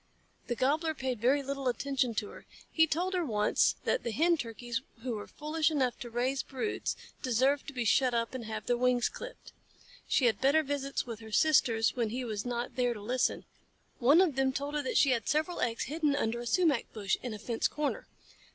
The Gobbler paid very little attention to her. He told her once that the Hen Turkeys who were foolish enough to try to raise broods deserved to be shut up and have their wings clipped. She had better visits with her sisters when he was not there to listen. One of them told her that she had several eggs hidden under a sumach bush in a fence corner.